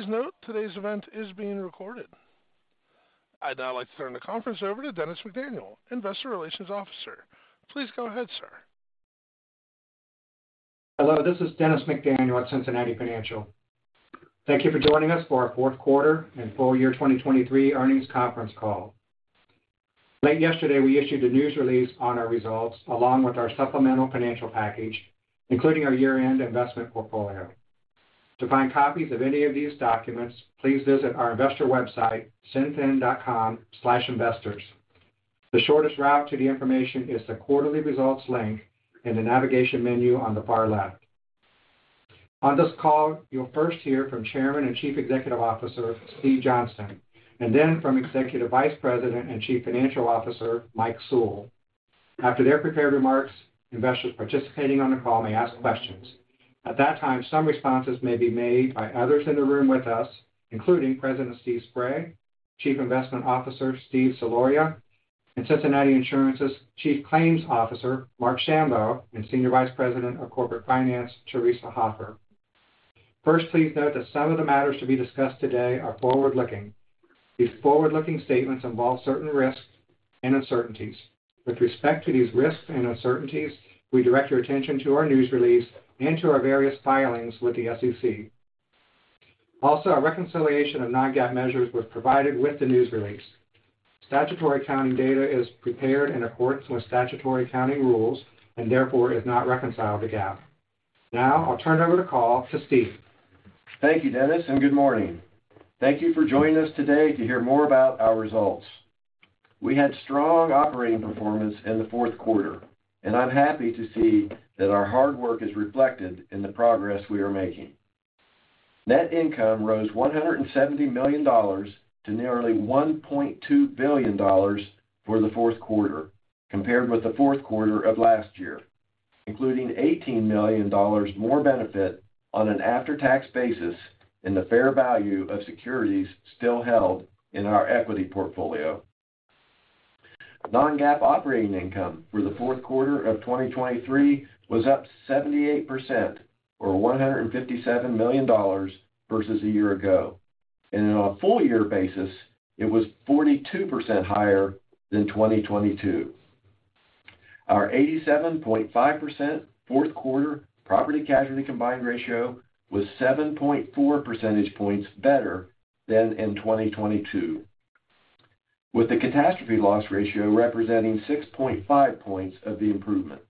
Please note, today's event is being recorded. I'd now like to turn the conference over to Dennis McDaniel, Investor Relations Officer. Please go ahead, sir. Hello, this is Dennis McDaniel at Cincinnati Financial. Thank you for joining us for our fourth quarter and full year 2023 earnings conference call. Late yesterday, we issued a news release on our results, along with our supplemental financial package, including our year-end investment portfolio. To find copies of any of these documents, please visit our investor website, cinf.com/investors. The shortest route to the information is the Quarterly Results link in the navigation menu on the far left. On this call, you'll first hear from Chairman and Chief Executive Officer, Steve Johnston, and then from Executive Vice President and Chief Financial Officer, Mike Sewell. After their prepared remarks, investors participating on the call may ask questions. At that time, some responses may be made by others in the room with us, including President Steve Spray, Chief Investment Officer Steven Soloria, and Cincinnati Insurance's Chief Claims Officer, Marc Schambow, and Senior Vice President of Corporate Finance, Theresa Hoffer. First, please note that some of the matters to be discussed today are forward-looking. These forward-looking statements involve certain risks and uncertainties. With respect to these risks and uncertainties, we direct your attention to our news release and to our various filings with the SEC. Also, our reconciliation of non-GAAP measures was provided with the news release. Statutory accounting data is prepared in accordance with statutory accounting rules and therefore is not reconciled to GAAP. Now, I'll turn over the call to Steve. Thank you, Dennis, and good morning. Thank you for joining us today to hear more about our results. We had strong operating performance in the fourth quarter, and I'm happy to see that our hard work is reflected in the progress we are making. Net income rose $170 million to nearly $1.2 billion for the fourth quarter, compared with the fourth quarter of last year, including $18 million more benefit on an after-tax basis in the fair value of securities still held in our equity portfolio. Non-GAAP operating income for the fourth quarter of 2023 was up 78%, or $157 million versus a year ago, and on a full year basis, it was 42% higher than 2022. Our 87.5% fourth quarter property casualty combined ratio was 7.4 percentage points better than in 2022, with the catastrophe loss ratio representing 6.5 points of the improvement.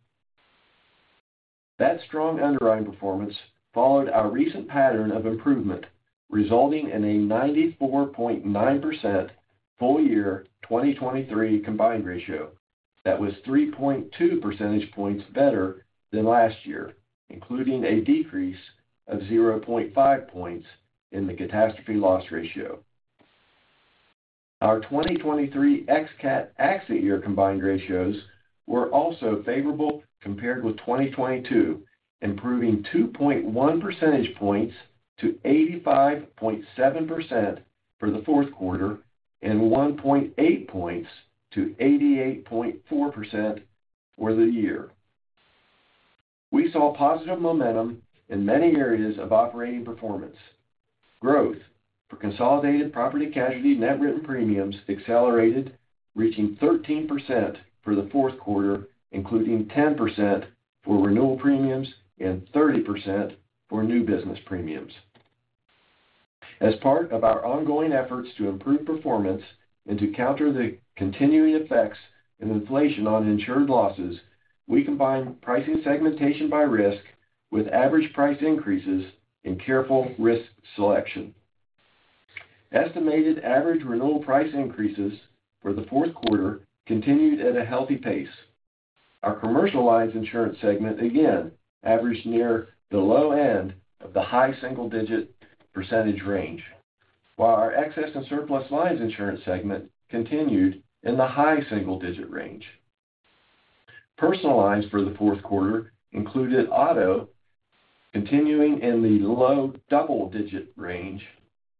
That strong underwriting performance followed our recent pattern of improvement, resulting in a 94.9% full year 2023 combined ratio. That was 3.2 percentage points better than last year, including a decrease of 0.5 points in the catastrophe loss ratio. Our 2023 ex-cat [accident] year combined ratios were also favorable compared with 2022, improving 2.1 percentage points to 85.7% for the fourth quarter and 1.8 points to 88.4% for the year. We saw positive momentum in many areas of operating performance. Growth for consolidated property-casualty net written premiums accelerated, reaching 13% for the fourth quarter, including 10% for renewal premiums and 30% for new business premiums. As part of our ongoing efforts to improve performance and to counter the continuing effects and inflation on insured losses, we combine pricing segmentation by risk with average price increases and careful risk selection. Estimated average renewal price increases for the fourth quarter continued at a healthy pace. Our commercial lines insurance segment again averaged near the low end of the high single-digit percentage range, while our excess and surplus lines insurance segment continued in the high single-digit range. Personal lines for the fourth quarter included auto continuing in the low double-digit range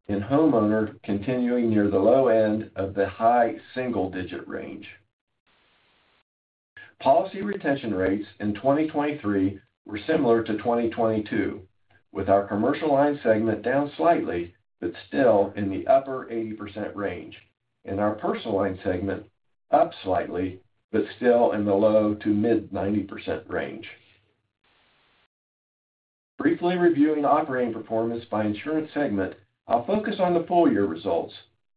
and homeowner continuing near the low end of the high single-digit range. Policy retention rates in 2023 were similar to 2022, with our commercial line segment down slightly, but still in the upper 80% range, and our personal line segment up slightly, but still in the low-to-mid 90% range. Briefly reviewing operating performance by insurance segment, I'll focus on the full-year results,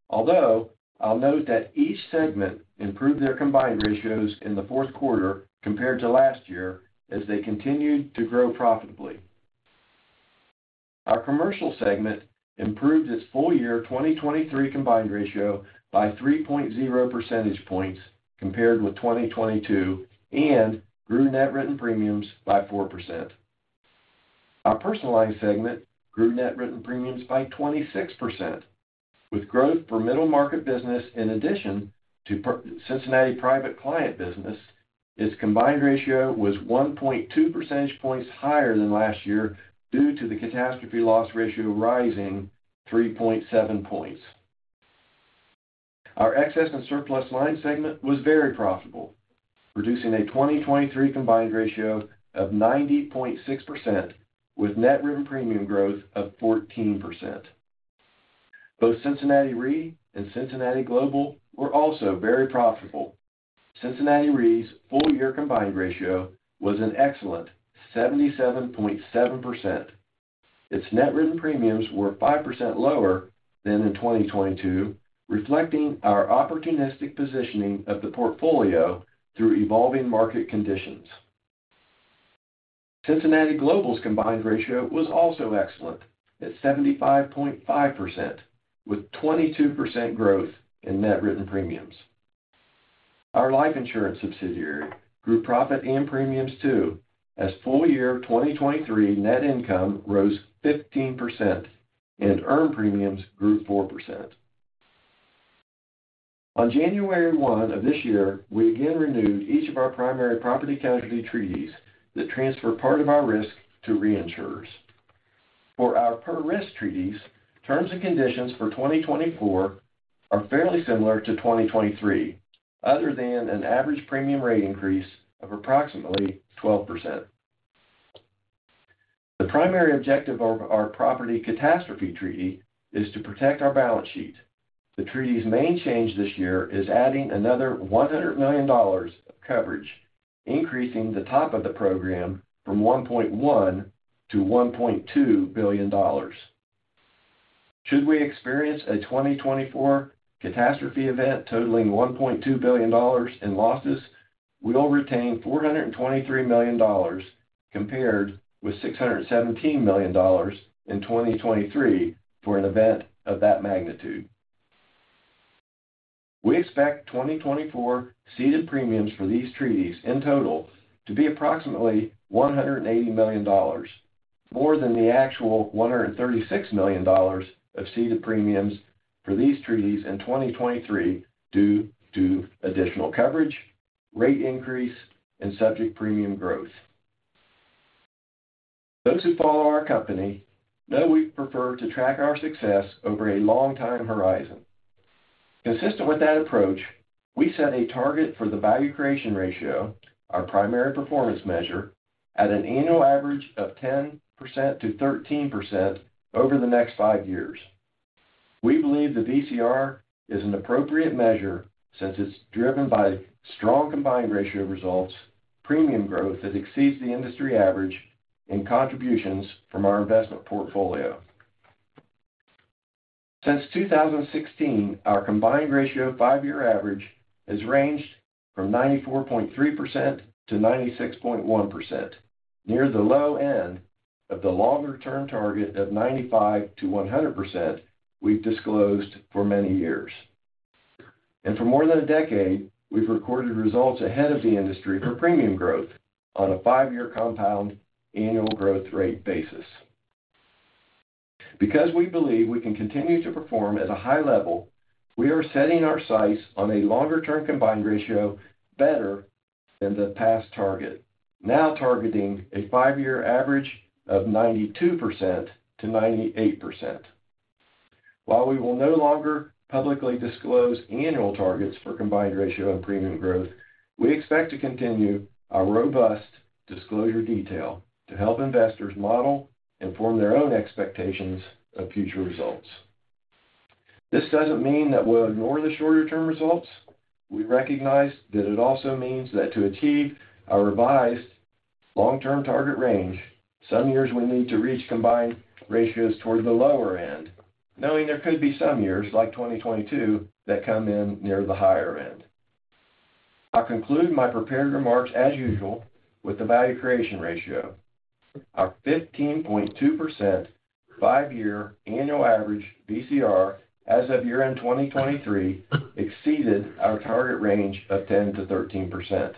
although I'll note that each segment improved their combined ratios in the fourth quarter compared to last year as they continued to grow profitably. Our commercial segment improved its full-year 2023 combined ratio by 3.0 percentage points compared with 2022 and grew net written premiums by 4%. Our personal line segment grew net written premiums by 26%, with growth for middle market business in addition to Cincinnati Private Client business. Its combined ratio was 1.2 percentage points higher than last year due to the catastrophe loss ratio rising 3.7 points. Our excess and surplus line segment was very profitable, producing a 2023 combined ratio of 90.6% with net written premium growth of 14%. Both Cincinnati Re and Cincinnati Global were also very profitable. Cincinnati Re's full-year combined ratio was an excellent 77.7%. Its net written premiums were 5% lower than in 2022, reflecting our opportunistic positioning of the portfolio through evolving market conditions. Cincinnati Global's combined ratio was also excellent, at 75.5%, with 22% growth in net written premiums. Our life insurance subsidiary grew profit and premiums, too, as full-year 2023 net income rose 15% and earned premiums grew 4%. On January 1, of this year, we again renewed each of our primary property casualty treaties that transfer part of our risk to reinsurers. For our per risk treaties, terms and conditions for 2024 are fairly similar to 2023, other than an average premium rate increase of approximately 12%. The primary objective of our property catastrophe treaty is to protect our balance sheet. The treaty's main change this year is adding another $100 million of coverage, increasing the top of the program from $1.1 billion to $1.2 billion. Should we experience a 2024 catastrophe event totaling $1.2 billion in losses, we will retain $423 million, compared with $617 million in 2023 for an event of that magnitude. We expect 2024 ceded premiums for these treaties in total to be approximately $180 million, more than the actual $136 million of ceded premiums for these treaties in 2023, due to additional coverage, rate increase, and subject premium growth. Those who follow our company know we prefer to track our success over a long time horizon. Consistent with that approach, we set a target for the Value Creation Ratio, our primary performance measure, at an annual average of 10%-13% over the next 5 years. We believe the VCR is an appropriate measure since it's driven by strong Combined Ratio results, premium growth that exceeds the industry average, and contributions from our investment portfolio. Since 2016, our Combined Ratio five-year average has ranged from 94.3%-96.1%, near the low end of the longer-term target of 95%-100% we've disclosed for many years. For more than a decade, we've recorded results ahead of the industry for premium growth on a five-year compound annual growth rate basis. Because we believe we can continue to perform at a high level, we are setting our sights on a longer-term Combined Ratio better than the past target, now targeting a five-year average of 92%-98%. While we will no longer publicly disclose annual targets for Combined Ratio and premium growth, we expect to continue our robust disclosure detail to help investors model and form their own expectations of future results. This doesn't mean that we'll ignore the shorter-term results. We recognize that it also means that to achieve our revised long-term target range, some years we need to reach combined ratios towards the lower end, knowing there could be some years, like 2022, that come in near the higher end. I'll conclude my prepared remarks, as usual, with the value creation ratio. Our 15.2% five-year annual average VCR as of year-end 2023 exceeded our target range of 10%-13%.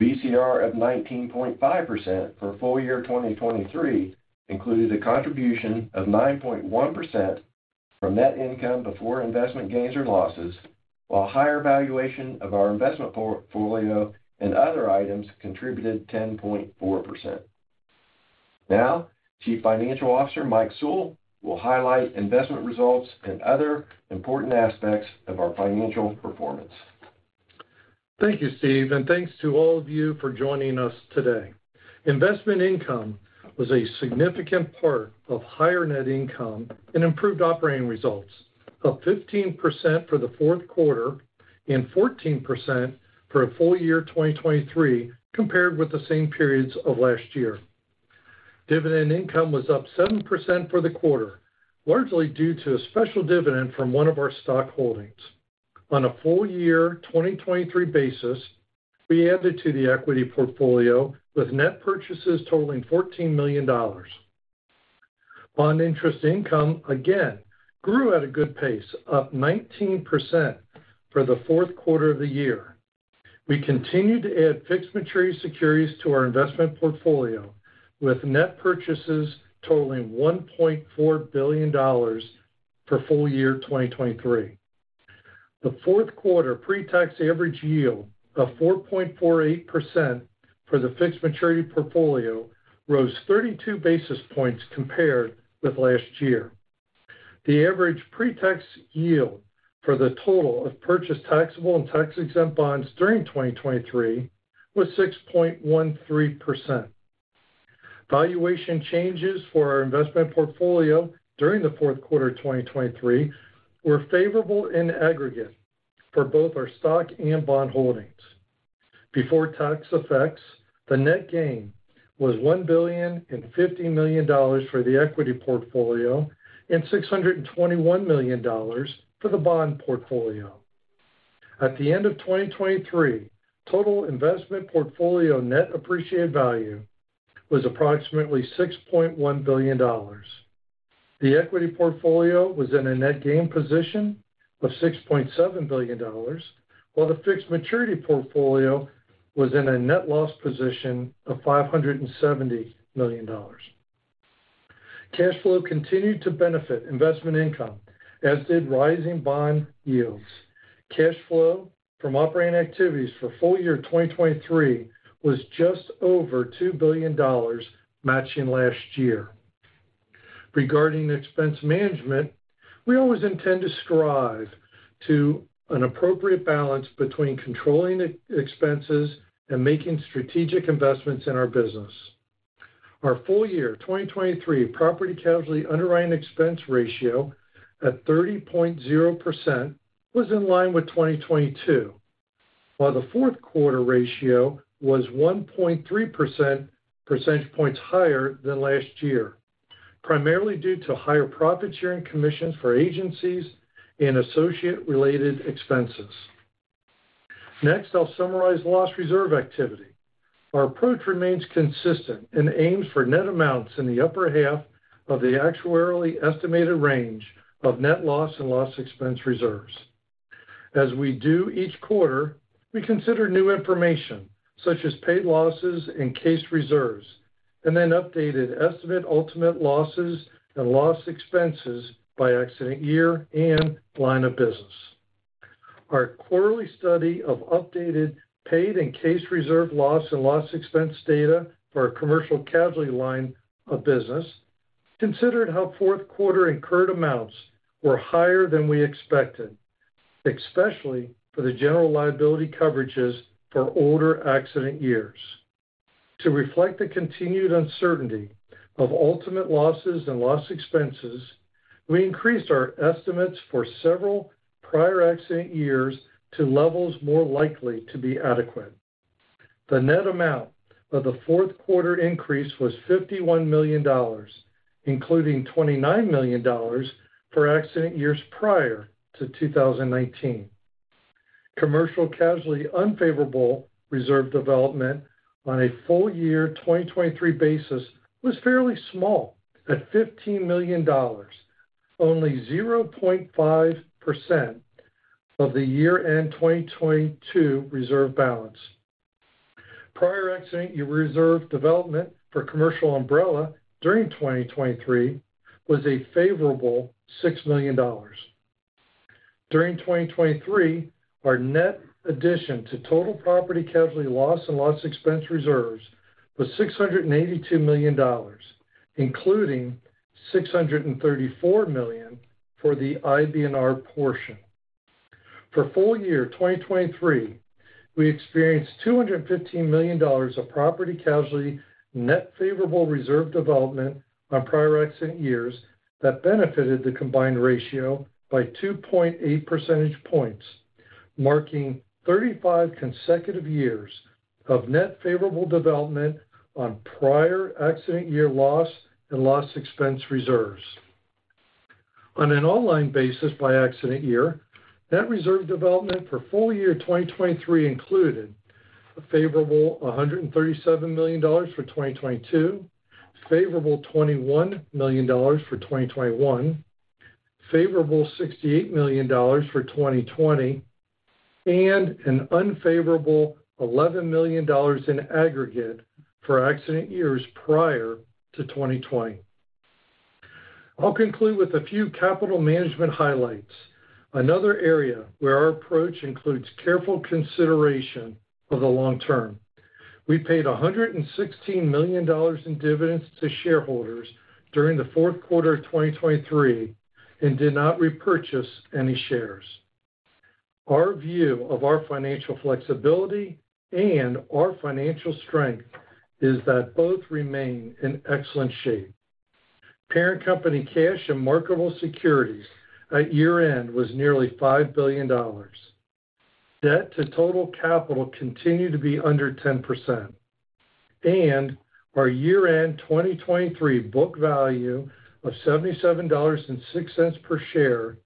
VCR of 19.5% for full year 2023 included a contribution of 9.1% from net income before investment gains or losses, while higher valuation of our investment portfolio and other items contributed 10.4%. Now, Chief Financial Officer Mike Sewell will highlight investment results and other important aspects of our financial performance. Thank you, Steve, and thanks to all of you for joining us today. Investment income was a significant part of higher net income and improved operating results, up 15% for the fourth quarter and 14% for a full year 2023, compared with the same periods of last year. Dividend income was up 7% for the quarter, largely due to a special dividend from one of our stock holdings. On a full year 2023 basis, we added to the equity portfolio, with net purchases totaling $14 million. Bond interest income again grew at a good pace, up 19% for the fourth quarter of the year. We continued to add fixed maturity securities to our investment portfolio, with net purchases totaling $1.4 billion for full year 2023. The fourth quarter pretax average yield of 4.48% for the fixed maturity portfolio rose 32 basis points compared with last year. The average pretax yield for the total of purchased taxable and tax-exempt bonds during 2023 was 6.13%. Valuation changes for our investment portfolio during the fourth quarter of 2023 were favorable in aggregate for both our stock and bond holdings. Before tax effects, the net gain was $1.05 billion for the equity portfolio and $621 million for the bond portfolio. At the end of 2023, total investment portfolio net appreciated value was approximately $6.1 billion. The equity portfolio was in a net gain position of $6.7 billion, while the fixed maturity portfolio was in a net loss position of $570 million. Cash flow continued to benefit investment income, as did rising bond yields. Cash flow from operating activities for full year 2023 was just over $2 billion, matching last year. Regarding expense management, we always intend to strive to an appropriate balance between controlling expenses and making strategic investments in our business. Our full year 2023 property casualty underwriting expense ratio at 30.0% was in line with 2022, while the fourth quarter ratio was 1.3 percentage points higher than last year, primarily due to higher profit sharing commissions for agencies and associate-related expenses. Next, I'll summarize loss reserve activity. Our approach remains consistent and aims for net amounts in the upper half of the actuarially estimated range of net loss and loss expense reserves. As we do each quarter, we consider new information such as paid losses and case reserves, and then updated estimate ultimate losses and loss expenses by accident year and line of business. Our quarterly study of updated paid and case reserve loss and loss expense data for our commercial casualty line of business considered how fourth quarter incurred amounts were higher than we expected, especially for the general liability coverages for older accident years. To reflect the continued uncertainty of ultimate losses and loss expenses, we increased our estimates for several prior accident years to levels more likely to be adequate. The net amount of the fourth quarter increase was $51 million, including $29 million for accident years prior to 2019. Commercial casualty unfavorable reserve development on a full year 2023 basis was fairly small, at $15 million, only 0.5% of the year-end 2022 reserve balance. Prior accident year reserve development for commercial umbrella during 2023 was a favorable $6 million. During 2023, our net addition to total property casualty loss and loss expense reserves was $682 million, including $634 million for the IBNR portion. For full year 2023, we experienced $215 million of property casualty net favorable reserve development on prior accident years that benefited the combined ratio by 2.8 percentage points, marking 35 consecutive years of net favorable development on prior accident year loss and loss expense reserves. On an online basis by accident year, net reserve development for full year 2023 included a favorable hundred and thirty-seven million dollars for 2022, favorable $21 million for 2021, favorable $68 million for 2020, and an unfavorable $11 million in aggregate for accident years prior to 2020. I'll conclude with a few capital management highlights, another area where our approach includes careful consideration for the long-term. We paid $116 million in dividends to shareholders during the fourth quarter of 2023 and did not repurchase any shares. Our view of our financial flexibility and our financial strength is that both remain in excellent shape. Parent company cash and marketable securities at year-end was nearly $5 billion. Debt to total capital continued to be under 10%, and our year-end 2023 book value of $77.06 per share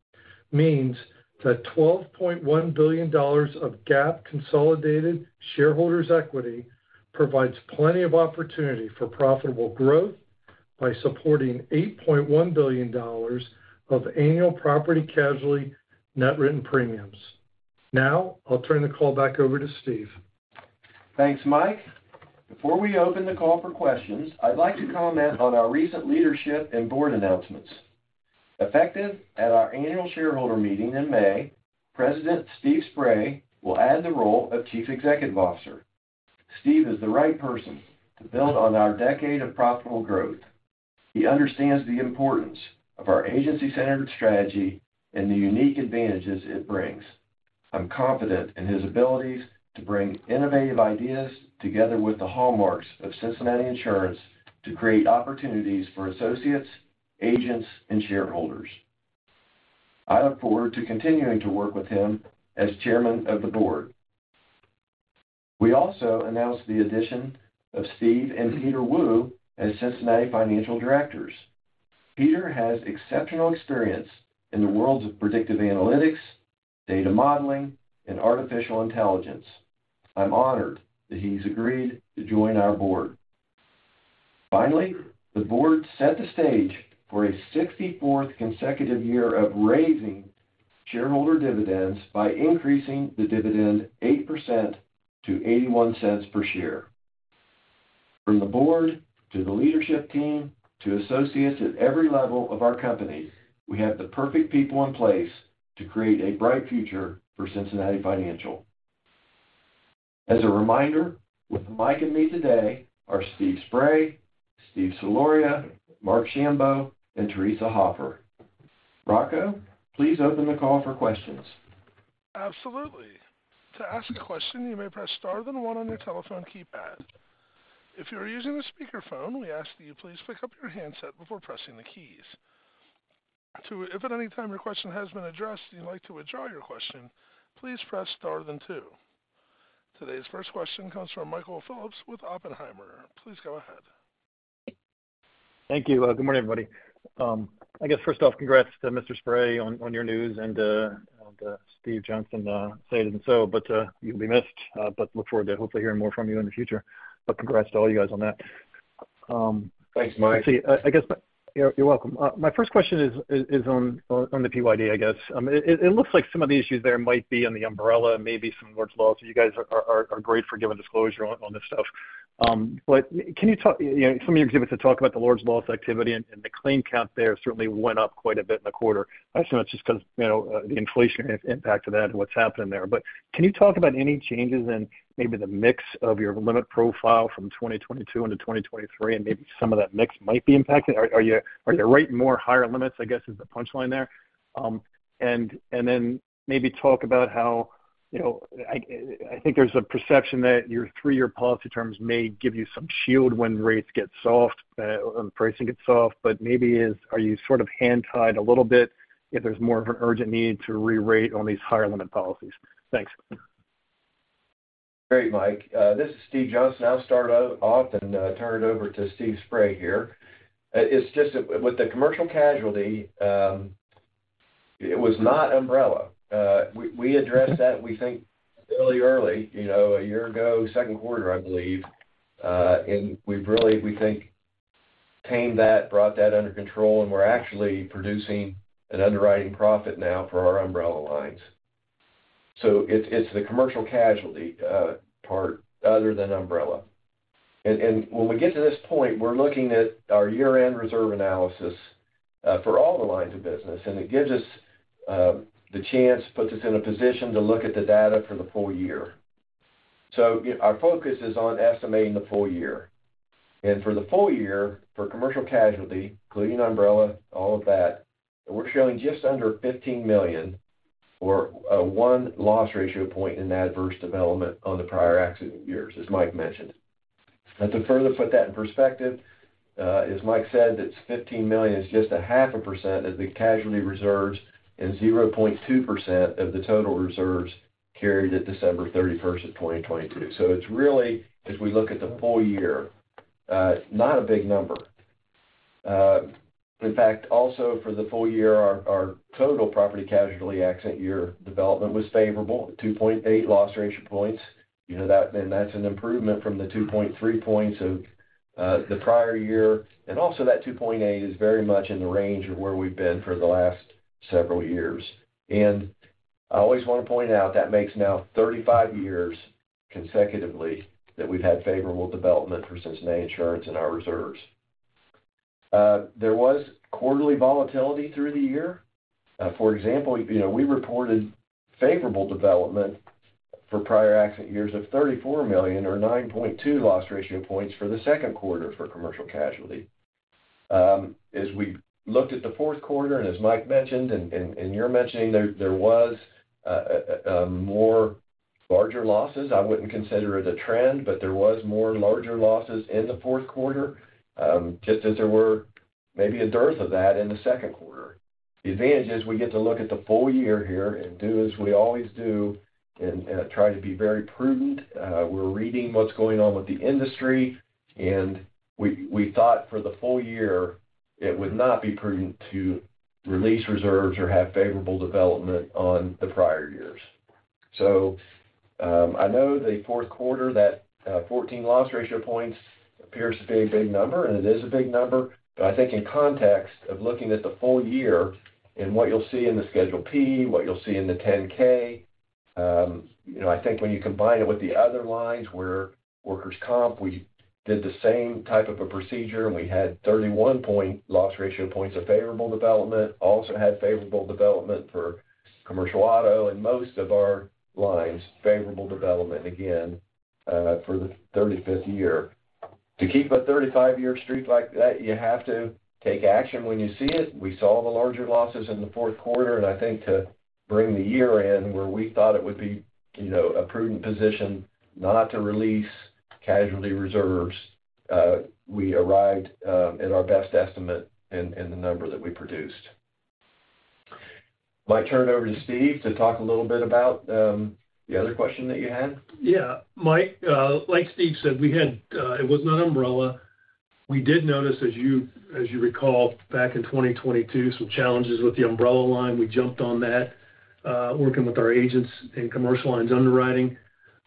means that $12.1 billion of GAAP consolidated shareholders' equity provides plenty of opportunity for profitable growth by supporting $8.1 billion of annual property casualty net written premiums. Now I'll turn the call back over to Steve. Thanks, Mike. Before we open the call for questions, I'd like to comment on our recent leadership and board announcements. Effective at our annual shareholder meeting in May, President Steve Spray will add the role of Chief Executive Officer. Steve is the right person to build on our decade of profitable growth. He understands the importance of our agency-centered strategy and the unique advantages it brings. I'm confident in his abilities to bring innovative ideas together with the hallmarks of Cincinnati Insurance to create opportunities for associates, agents, and shareholders. I look forward to continuing to work with him as Chairman of the board. We also announced the addition of Steve and Peter Wu as Cincinnati Financial directors. Peter has exceptional experience in the worlds of predictive analytics, data modeling, and artificial intelligence. I'm honored that he's agreed to join our board. Finally, the board set the stage for a 64th consecutive year of raising shareholder dividends by increasing the dividend 8% to $0.81 per share. From the board to the leadership team to associates at every level of our company, we have the perfect people in place to create a bright future for Cincinnati Financial. As a reminder, with Mike and me today are Steve Spray, Steven Soloria, Marc Schambow, and Theresa Hoffer. Rocco, please open the call for questions. Absolutely. To ask a question, you may press Star then one on your telephone keypad. If you are using a speakerphone, we ask that you please pick up your handset before pressing the keys. To, if at any time your question has been addressed and you'd like to withdraw your question, please press star then two. Today's first question comes from Michael Phillips with Oppenheimer. Please go ahead. Thank you. Good morning, everybody. I guess first off, congrats to Mr. Spray on your news, and to Steve Johnston, say it isn't so, but you'll be missed, but look forward to hopefully hearing more from you in the future. But congrats to all you guys on that. Thanks, Mike. You're welcome. My first question is on the PYD, I guess. It looks like some of the issues there might be on the umbrella, maybe some large loss. You guys are great for giving disclosure on this stuff. But can you talk, you know, some of your exhibits have talked about the large loss activity, and the claim count there certainly went up quite a bit in the quarter. I assume it's just because, you know, the inflation impact of that and what's happening there. But can you talk about any changes in maybe the mix of your limit profile from 2022 into 2023, and maybe some of that mix might be impacted? Are you writing more higher limits, I guess, is the punchline there? And then maybe talk about how, you know, I think there's a perception that your three-year policy terms may give you some shield when rates get soft, when pricing gets soft, but maybe are you sort of hands-tied a little bit if there's more of an urgent need to re-rate on these higher limit policies? Thanks. Great, Mike. This is Steve Johnston. I'll start off and turn it over to Steve Spray here. It's just, with the commercial casualty, it was not umbrella. We addressed that, we think, fairly early, you know, a year ago, second quarter, I believe. And we've really, we think, tamed that, brought that under control, and we're actually producing an underwriting profit now for our umbrella lines. So it's the commercial casualty part other than umbrella. And when we get to this point, we're looking at our year-end reserve analysis for all the lines of business, and it gives us the chance, puts us in a position to look at the data for the full year. So our focus is on estimating the full year. For the full year, for commercial casualty, including umbrella, all of that, we're showing just under $15 million or 1 loss ratio point in adverse development on the prior accident years, as Mike mentioned. To further put that in perspective, as Mike said, that's $15 million is just 0.5% of the casualty reserves and 0.2% of the total reserves carried at December 31st, 2022. So it's really, as we look at the full year, not a big number. In fact, also for the full year, our total property casualty accident year development was favorable, 2.8 loss ratio points. You know, that, and that's an improvement from the 2.3 points of the prior year. Also that 2.8 is very much in the range of where we've been for the last several years. I always want to point out that makes now 35 years consecutively that we've had favorable development for Cincinnati Insurance in our reserves. There was quarterly volatility through the year. For example, you know, we reported favorable development for prior accident years of $34 million or 9.2 loss ratio points for the second quarter for commercial casualty. As we looked at the fourth quarter, and as Mike mentioned, and you're mentioning, there was more larger losses. I wouldn't consider it a trend, but there was more larger losses in the fourth quarter, just as there were maybe a dearth of that in the second quarter. The advantage is we get to look at the full year here and do as we always do and try to be very prudent. We're reading what's going on with the industry, and we thought for the full year, it would not be prudent to release reserves or have favorable development on the prior years. So, I know the fourth quarter, that 14 loss ratio points appears to be a big number, and it is a big number. But I think in context of looking at the full year and what you'll see in the Schedule P, what you'll see in the 10-K, you know, I think when you combine it with the other lines, where workers' comp, we did the same type of a procedure, and we had 31 loss ratio points of favorable development. Also had favorable development for commercial auto and most of our lines, favorable development, again, for the 35th year. To keep a 35-year streak like that, you have to take action when you see it. We saw the larger losses in the fourth quarter, and I think to bring the year in where we thought it would be, you know, a prudent position not to release casualty reserves, we arrived at our best estimate in the number that we produced. Might turn it over to Steve to talk a little bit about the other question that you had. Yeah, Mike, like Steve said, it was not umbrella. We did notice, as you, as you recall, back in 2022, some challenges with the umbrella line. We jumped on that, working with our agents in commercial lines underwriting.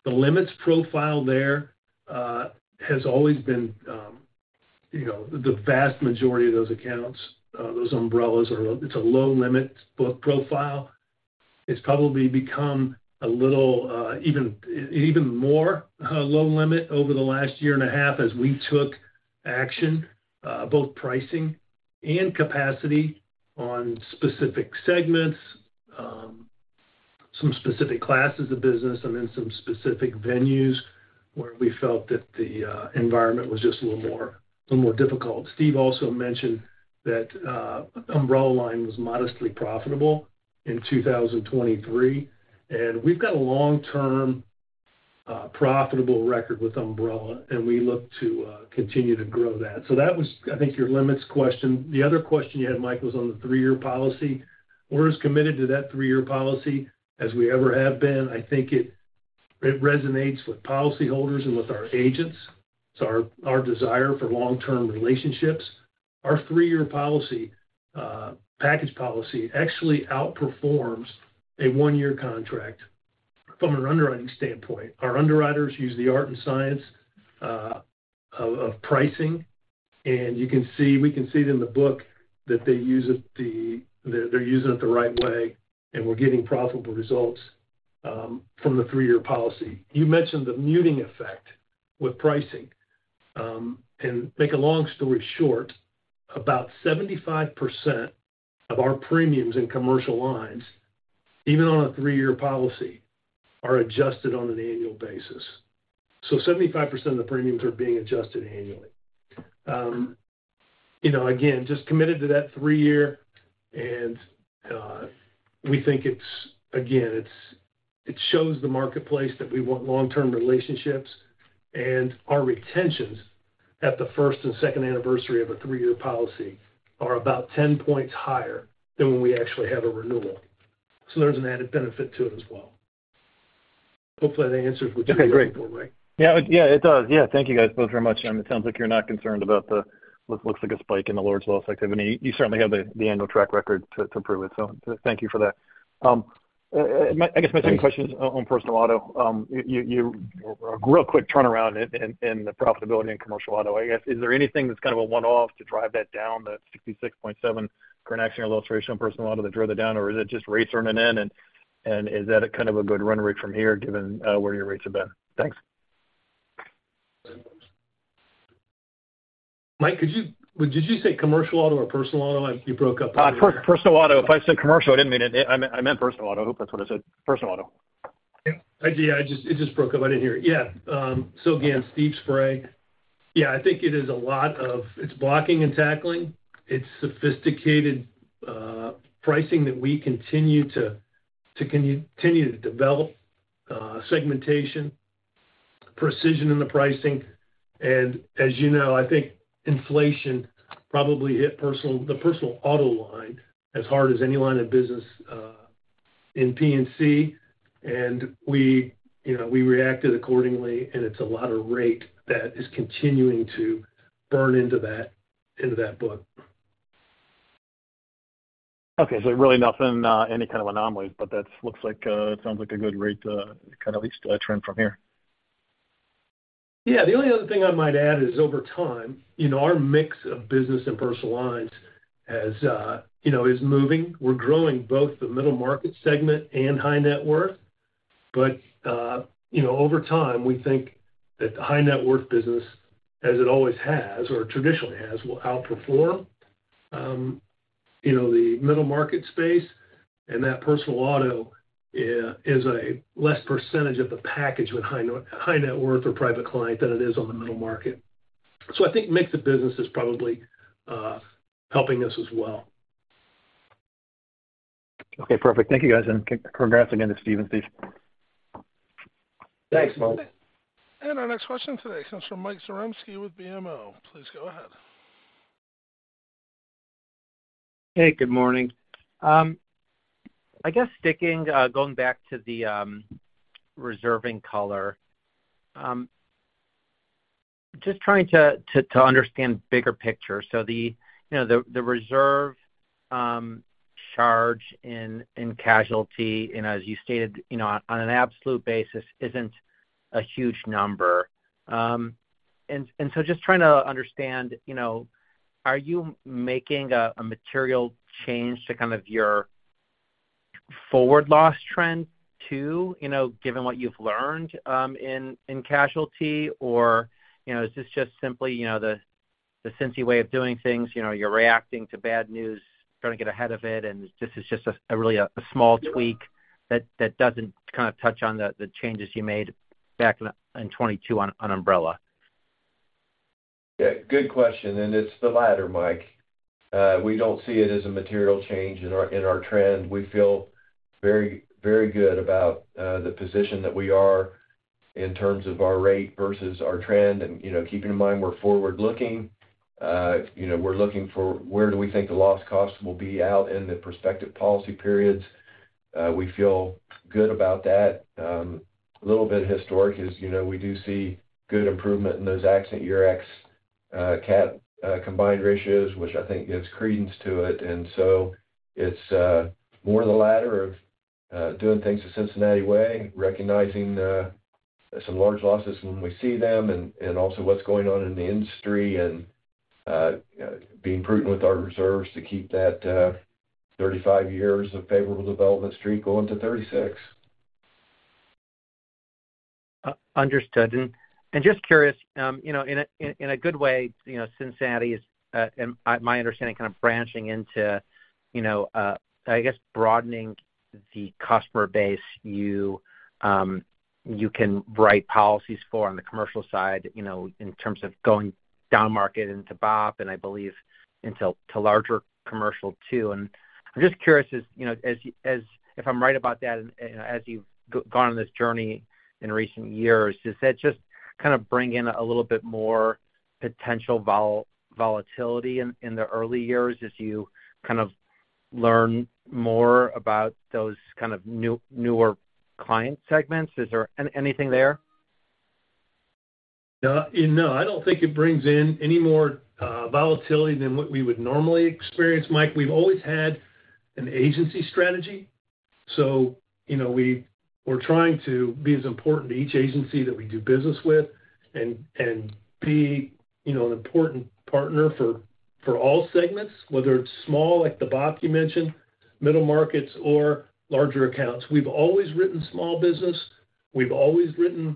The limits profile there has always been, you know, the vast majority of those accounts, those umbrellas are, it's a low limit book profile. It's probably become a little, even, even more, low limit over the last year and a half as we took action, both pricing and capacity on specific segments, some specific classes of business, and then some specific venues where we felt that the environment was just a little more, a little more difficult. Steve also mentioned that umbrella line was modestly profitable in 2023, and we've got a long-term profitable record with umbrella, and we look to continue to grow that. So that was, I think, your limits question. The other question you had, Mike, was on the three-year policy. We're as committed to that three-year policy as we ever have been. I think it resonates with policyholders and with our agents, so our desire for long-term relationships. Our three-year policy package policy actually outperforms a one-year contract from an underwriting standpoint. Our underwriters use the art and science of pricing, and you can see we can see it in the book, that they're using it the right way, and we're getting profitable results from the three-year policy. You mentioned the muting effect with pricing. And make a long story short, about 75% of our premiums in commercial lines, even on a 3-year policy, are adjusted on an annual basis. So 75% of the premiums are being adjusted annually. You know, again, just committed to that 3-year, and we think it's, again, it shows the marketplace that we want long-term relationships, and our retentions at the first and second anniversary of a 3-year policy are about 10 points higher than when we actually have a renewal, so there's an added benefit to it as well. Hopefully, that answers what you were looking for, Mike. Okay, great. Yeah, yeah, it does. Yeah, thank you, guys, both very much. It sounds like you're not concerned about the what looks like a spike in the large loss activity. You certainly have the annual track record to prove it, so thank you for that. I guess my second question is on personal auto. You a real quick turnaround in the profitability in commercial auto. I guess, is there anything that's kind of a one-off to drive that down, that 66.7 current actual illustration personal auto that drove that down, or is it just rates earning in, and is that a kind of a good run rate from here, given where your rates have been? Thanks. Mike, did you say commercial auto or personal auto? You broke up there. Personal auto. If I said commercial, I didn't mean it. I meant personal auto. I hope that's what I said. Personal auto. Yeah. It just broke up. I didn't hear you. Yeah, so again, Steve Spray. Yeah, I think it's blocking and tackling. It's sophisticated pricing that we continue to develop, segmentation, precision in the pricing. And as you know, I think inflation probably hit the personal auto line as hard as any line of business in P&C, and we, you know, we reacted accordingly, and it's a lot of rate that is continuing to burn into that book. Okay. So really nothing, any kind of anomalies, but that's looks like, sounds like a good rate, kind of least, trend from here. Yeah. The only other thing I might add is, over time, you know, our mix of business and personal lines has, you know, is moving. We're growing both the middle market segment and high net worth. But, you know, over time, we think that the high net worth business, as it always has or traditionally has, will outperform, you know, the middle market space, and that personal auto, is a less percentage of the package with high net, high net worth or private client than it is on the middle market. So I think mix of business is probably, helping us as well. Okay, perfect. Thank you, guys, and congrats again to Steve and Steve. Thanks, Mike. Our next question today comes from Michael Zaremski with BMO. Please go ahead. Hey, good morning. I guess sticking going back to the reserving color, just trying to understand bigger picture. So, you know, the reserve charge in casualty, and as you stated, you know, on an absolute basis, isn't a huge number. And so just trying to understand, you know, are you making a material change to kind of your forward loss trend too, you know, given what you've learned in casualty or, you know, is this just simply, you know, the Cincy way of doing things? You know, you're reacting to bad news, trying to get ahead of it, and this is just really a small tweak that doesn't kind of touch on the changes you made back in 2022 on umbrella. Yeah, good question, and it's the latter, Mike. We don't see it as a material change in our, in our trend. We feel very, very good about the position that we are in terms of our rate versus our trend. And, you know, keeping in mind, we're forward-looking. You know, we're looking for where do we think the loss costs will be out in the prospective policy periods. We feel good about that. A little bit historic, as you know, we do see good improvement in those accident year ex cat combined ratios, which I think gives credence to it. And so it's more of the latter of doing things the Cincinnati way, recognizing some large losses when we see them and also what's going on in the industry and being prudent with our reserves to keep that 35 years of favorable development streak going to 36. Understood. And just curious, you know, in a good way, you know, Cincinnati is, and my understanding, kind of branching into, you know, I guess broadening the customer base you can write policies for on the commercial side, you know, in terms of going downmarket into BOP and I believe into larger commercial too. And I'm just curious as, you know, as if I'm right about that, and, you know, as you've gone on this journey in recent years, does that just kind of bring in a little bit more potential volatility in the early years as you kind of learn more about those kind of new, newer client segments? Is there anything there? No, I don't think it brings in any more volatility than what we would normally experience, Mike. We've always had an agency strategy, so, you know, we're trying to be as important to each agency that we do business with and be, you know, an important partner for all segments, whether it's small, like the BOP you mentioned, middle markets or larger accounts. We've always written small business. We've always written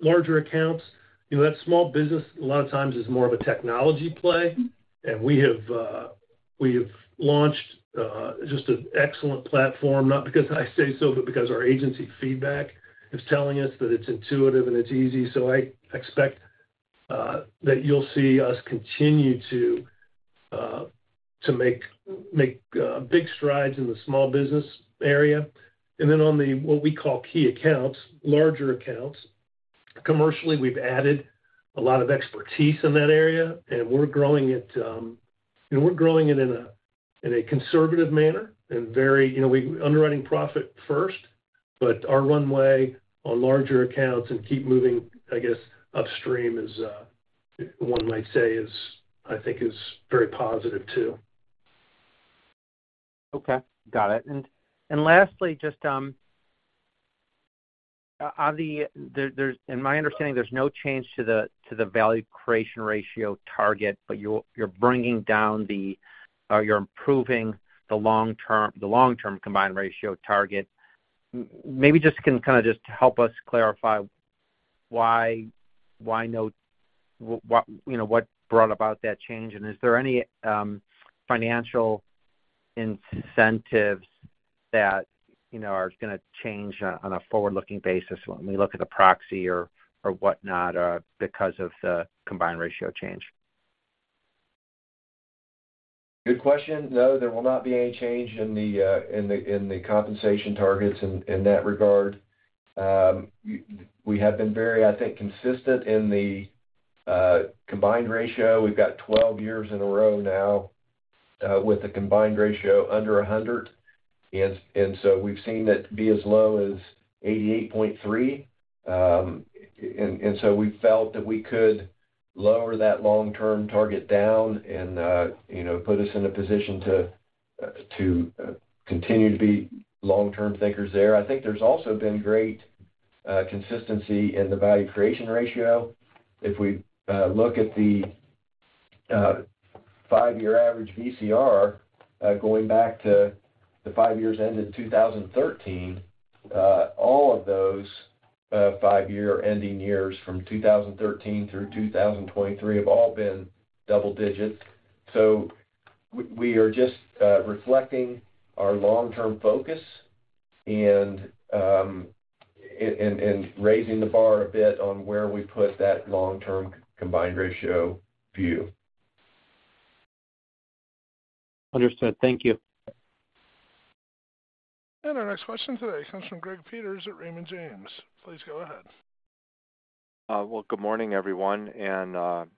larger accounts. You know, that small business, a lot of times, is more of a technology play, and we have launched just an excellent platform, not because I say so, but because our agency feedback is telling us that it's intuitive and it's easy. So I expect that you'll see us continue to make big strides in the small business area. Then on the what we call key accounts, larger accounts, commercially, we've added a lot of expertise in that area, and we're growing it, and we're growing it in a conservative manner and very, you know, we underwriting profit first. But our runway on larger accounts and keep moving, I guess, upstream is, one might say is, I think is very positive too. Okay, got it. And lastly, in my understanding, there's no change to the value creation ratio target, but you're bringing down or you're improving the long-term combined ratio target. Maybe just can kind of help us clarify why, you know, what brought about that change, and is there any financial incentives that, you know, are gonna change on a forward-looking basis when we look at the proxy or whatnot because of the combined ratio change? Good question. No, there will not be any change in the compensation targets in, in that regard. We have been very, I think, consistent in the, Combined Ratio. We've got 12 years in a row now, with the Combined Ratio under 100. And so we've seen it be as low as 88.3. And so we felt that we could lower that long-term target down and, you know, put us in a position to, to, continue to be long-term thinkers there. I think there's also been great, consistency in the Value Creation Ratio. If we look at the five-year average VCR going back to the five years ended 2013, all of those five-year ending years, from 2013 through 2023, have all been double digits. So we are just reflecting our long-term focus and raising the bar a bit on where we put that long-term combined ratio view. Understood. Thank you. Our next question today comes from Greg Peters at Raymond James. Please go ahead. Well, good morning, everyone, and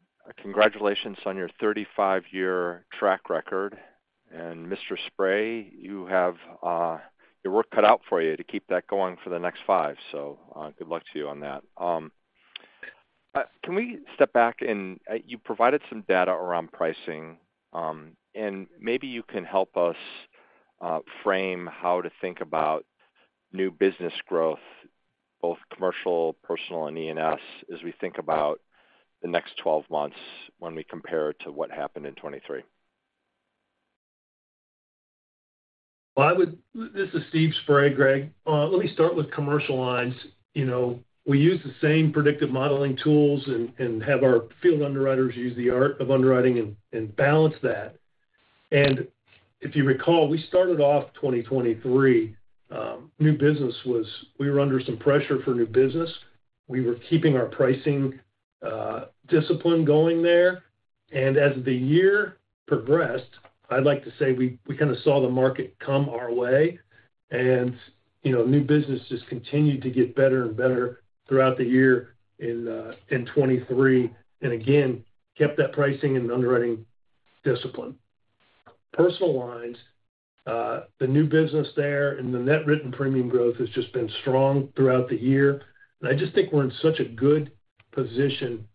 congratulations on your 35-year track record. Mr. Spray, you have your work cut out for you to keep that going for the next 5. Good luck to you on that. Can we step back? You provided some data around pricing, and maybe you can help us frame how to think about new business growth, both commercial, personal, and E&S, as we think about the next 12 months when we compare it to what happened in 2023? This is Steve Spray, Greg. Let me start with commercial lines. You know, we use the same predictive modeling tools and have our field underwriters use the art of underwriting and balance that. And if you recall, we started off 2023, new business was, we were under some pressure for new business. We were keeping our pricing discipline going there. And as the year progressed, I'd like to say we kind of saw the market come our way, and, you know, new business just continued to get better and better throughout the year in 2023, and again, kept that pricing and underwriting discipline. Personal lines, the new business there and the net written premium growth has just been strong throughout the year. And I just think we're in such a good position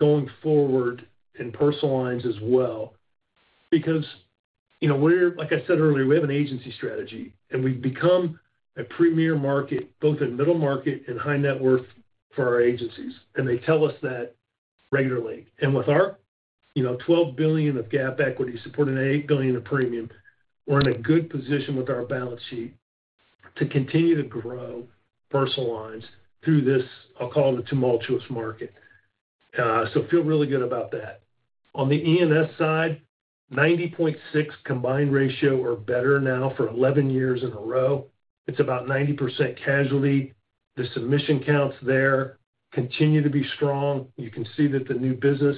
going forward in personal lines as well, because, you know, like I said earlier, we have an agency strategy, and we've become a premier market, both in middle market and high net worth for our agencies, and they tell us that regularly. And with our, you know, $12 billion of GAAP equity supporting $8 billion of premium, we're in a good position with our balance sheet to continue to grow personal lines through this, I'll call it, the tumultuous market. So feel really good about that. On the E&S side, 90.6% combined ratio or better now for 11 years in a row. It's about 90% casualty. The submission counts there continue to be strong. You can see that the new business,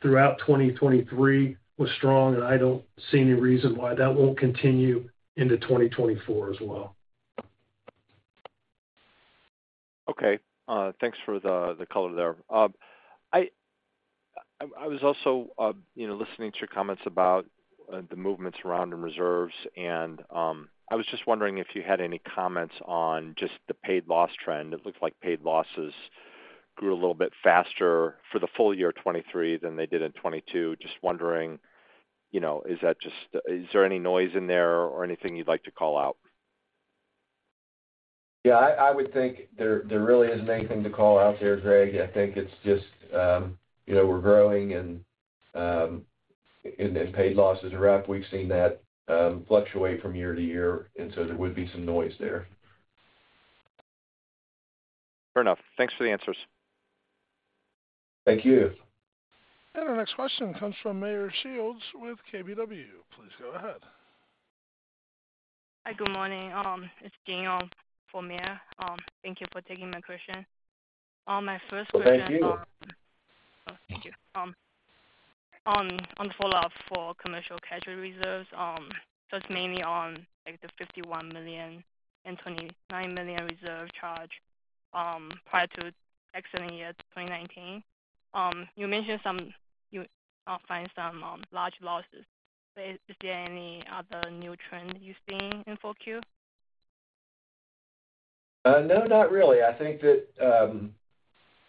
throughout 2023 was strong, and I don't see any reason why that won't continue into 2024 as well. Okay. Thanks for the color there. I was also, you know, listening to your comments about the movements around in reserves, and I was just wondering if you had any comments on just the paid loss trend. It looked like paid losses grew a little bit faster for the full year of 2023 than they did in 2022. Just wondering, you know, is there any noise in there or anything you'd like to call out? Yeah, I would think there really isn't anything to call out there, Greg. I think it's just, you know, we're growing and paid losses are up. We've seen that fluctuate from year to year, and so there would be some noise there. Fair enough. Thanks for the answers. Thank you. Our next question comes from Meyer Shields with KBW. Please go ahead. Hi, good morning. It's Jing for Meyor. Thank you for taking my question. My first question on the follow-up for commercial casualty reserves, just mainly on, like, the $51 million and $29 million reserve charge, prior to accident year 2019. You mentioned, you find some large losses. Is there any other new trend you've seen in 4Q? No, not really. I think that,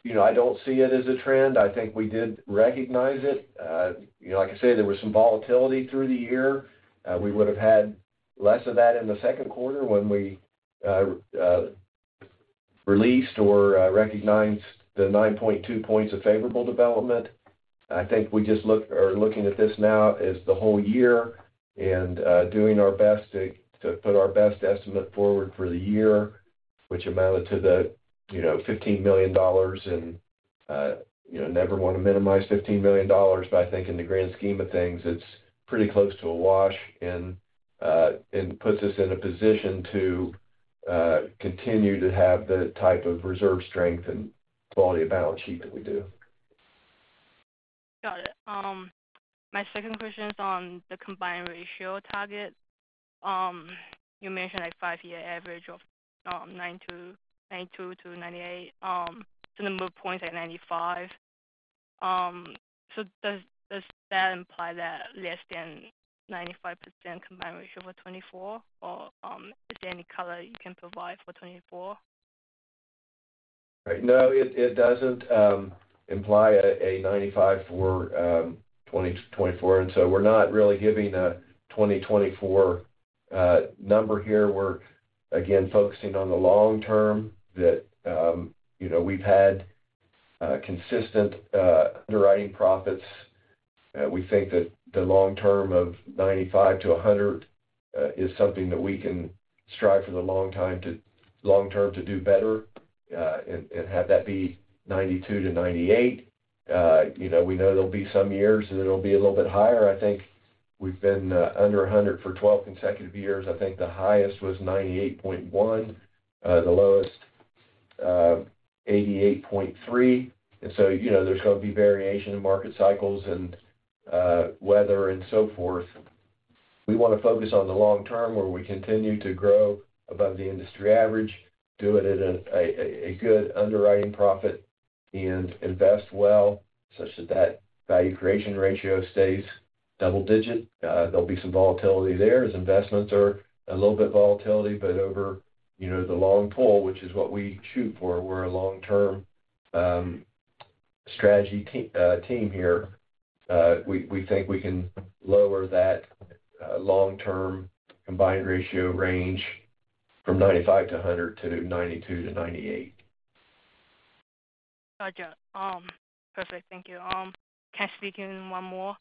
you know, I don't see it as a trend. I think we did recognize it. You know, like I said, there was some volatility through the year. We would have had less of that in the second quarter when we released or recognized the 9.2 points of favorable development. I think we just are looking at this now as the whole year and doing our best to put our best estimate forward for the year, which amounted to the, you know, $15 million. And, you know, never want to minimize $15 million, but I think in the grand scheme of things, it's pretty close to a wash and puts us in a position to continue to have the type of reserve strength and quality of balance sheet that we do. Got it. My second question is on the Combined Ratio target. You mentioned a five-year average of 92%-98%, so the number of points at 95%. So does that imply that less than 95% Combined Ratio for 2024 or, is there any color you can provide for 2024? No, it doesn't imply a 95% for 2024, and so we're not really giving a 2024 number here. We're, again, focusing on the long term, that you know, we've had consistent underwriting profits. We think that the long term of 95%-100% is something that we can strive for long term to do better, and have that be 92%-98%. You know, we know there'll be some years, and it'll be a little bit higher. I think we've been under 100% for 12 consecutive years. I think the highest was 98.1%, the lowest 88.3%. And so, you know, there's going to be variation in market cycles and weather and so forth. We want to focus on the long term, where we continue to grow above the industry average, do it at a good underwriting profit, and invest well, such that that value creation ratio stays double digit. There'll be some volatility there, as investments are a little bit volatile, but over, you know, the long haul, which is what we shoot for, we're a long-term strategy team here, we think we can lower that long-term combined ratio range from 95%-100% to 92%-98%. Got you. Perfect, thank you. Can I speak in one more?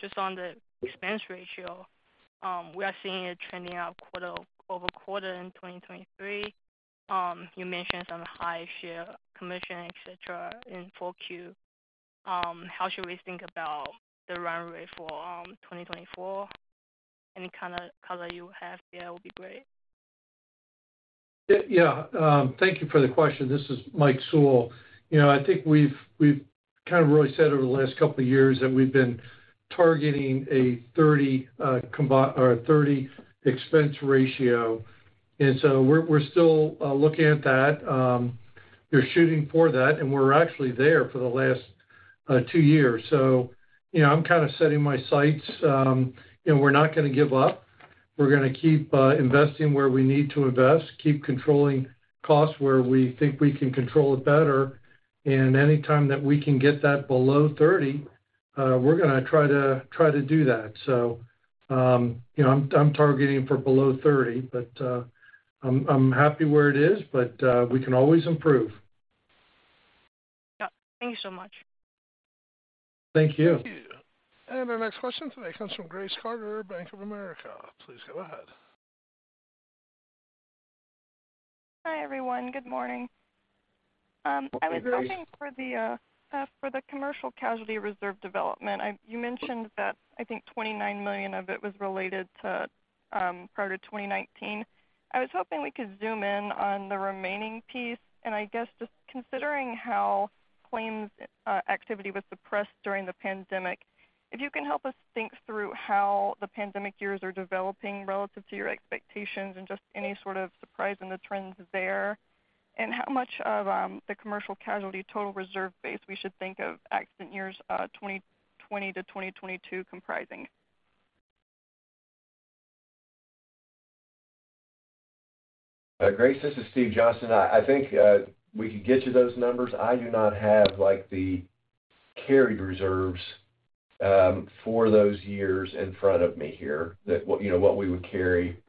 Just on the expense ratio, we are seeing it trending out quarter over quarter in 2023. You mentioned some high share commission, etc., in Q4. How should we think about the runway for, 2024? Any kind of color you have here will be great. Yeah. Thank you for the question. This is Mike Sewell. You know, I think we've kind of really said over the last couple of years that we've been targeting a 30 expense ratio, and so we're still looking at that. We're shooting for that, and we're actually there for the last 2 years. So, you know, I'm kind of setting my sights. And we're not gonna give up. We're gonna keep investing where we need to invest, keep controlling costs where we think we can control it better. And anytime that we can get that below 30, we're gonna try to do that. So, you know, I'm targeting for below 30, but I'm happy where it is, but we can always improve. Yeah. Thank you so much. Thank you. Thank you. Our next question today comes from Grace Carter, Bank of America. Please go ahead. Hi, everyone. Good morning. Hi, Grace I was looking for the commercial casualty reserve development. You mentioned that I think $29 million of it was related to prior to 2019. I was hoping we could zoom in on the remaining piece, and I guess just considering how claims activity was suppressed during the pandemic, if you can help us think through how the pandemic years are developing relative to your expectations and just any sort of surprise in the trends there, and how much of the commercial casualty total reserve base we should think of accident years 2020 to 2022 comprising? Grace, this is Steve Johnston. I think we could get you those numbers. I do not have, like, the carried reserves for those years in front of me here. That, you know, what we would carry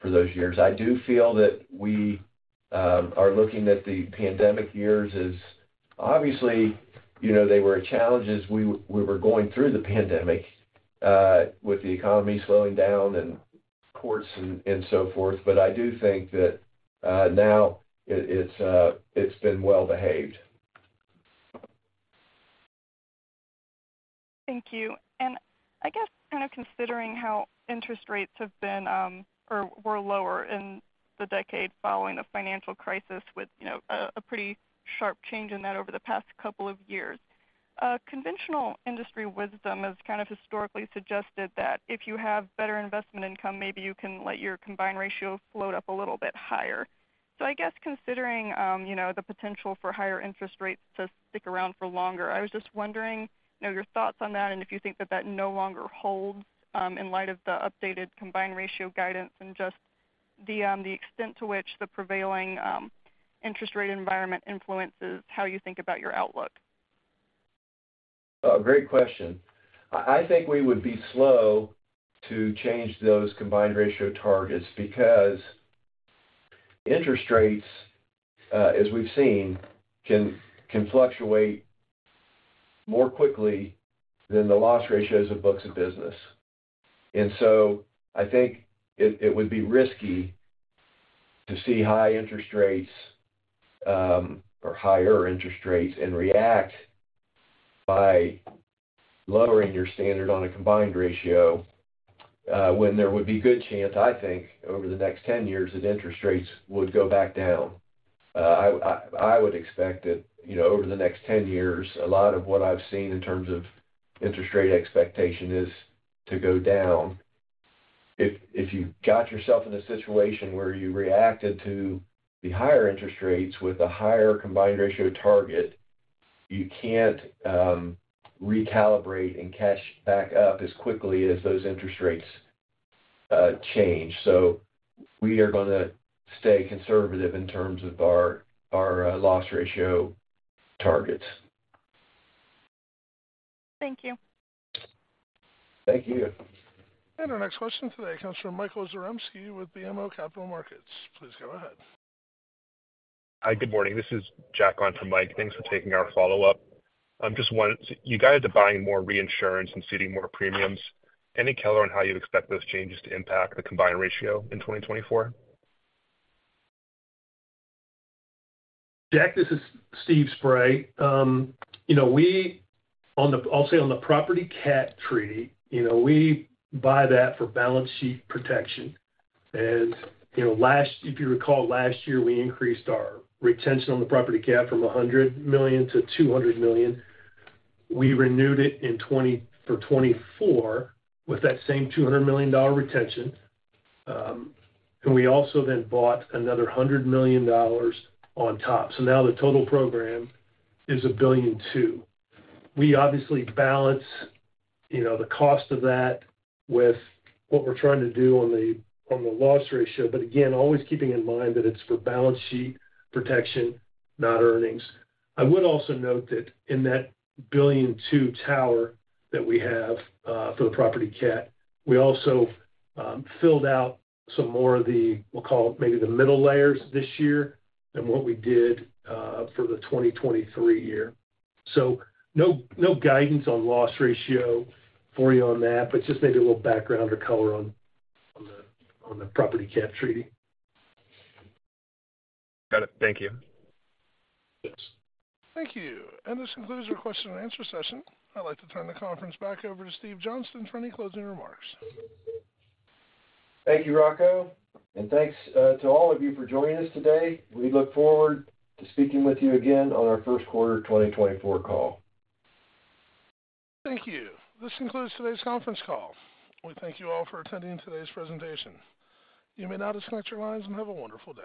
for those years. I do feel that we are looking at the pandemic years as obviously, you know, they were a challenge as we were going through the pandemic with the economy slowing down and courts and so forth. But I do think that now it's been well behaved. Thank you. I guess kind of considering how interest rates have been, or were lower in the decade following the financial crisis with, you know, a pretty sharp change in that over the past couple of years. Conventional industry wisdom has kind of historically suggested that if you have better investment income, maybe you can let your Combined Ratio float up a little bit higher. So I guess considering, you know, the potential for higher interest rates to stick around for longer, I was just wondering, you know, your thoughts on that and if you think that that no longer holds, in light of the updated Combined Ratio guidance, and just the extent to which the prevailing interest rate environment influences how you think about your outlook. Great question. I think we would be slow to change those Combined Ratio targets because interest rates, as we've seen, can fluctuate more quickly than the loss ratios of books of business. And so I think it would be risky to see high interest rates, or higher interest rates, and react by lowering your standard on a Combined Ratio, when there would be good chance, I think, over the next 10 years, that interest rates would go back down. I would expect that, you know, over the next 10 years, a lot of what I've seen in terms of interest rate expectation is to go down. If you got yourself in a situation where you reacted to the higher interest rates with a higher combined ratio target, you can't recalibrate and catch back up as quickly as those interest rates change. So we are gonna stay conservative in terms of our loss ratio targets. Thank you. Thank you. Our next question today comes from Michael Zaremski with BMO Capital Markets. Please go ahead. Hi, good morning. This is Jack on for Mike. Thanks for taking our follow-up. I'm just wondering, you guys are buying more reinsurance and ceding more premiums. Any color on how you expect those changes to impact the Combined Ratio in 2024? Jack, this is Steve Spray. I'll say on the property cat treaty, you know, we buy that for balance sheet protection. And you know, last, if you recall, last year we increased our retention on the property cat from $100 million to $200 million. We renewed it in for 2024 with that same $200 million dollar retention. And we also then bought another $100 million dollars on top. So now the total program is $1.2 billion. We obviously balance, you know, the cost of that with what we're trying to do on the, on the loss ratio, but again, always keeping in mind that it's for balance sheet protection, not earnings. I would also note that in that $1.2 billion tower that we have, for the property cat, we also filled out some more of the, we'll call it, maybe the middle layers this year than what we did, for the 2023 year. So, no guidance on loss ratio for you on that, but just maybe a little background or color on the property cat treaty. Got it. Thank you. Thanks. Thank you. This concludes our question-and-answer session. I'd like to turn the conference back over to Steve Johnston for any closing remarks. Thank you, Rocco, and thanks to all of you for joining us today. We look forward to speaking with you again on our first quarter 2024 call. Thank you. This concludes today's conference call. We thank you all for attending today's presentation. You may now disconnect your lines and have a wonderful day.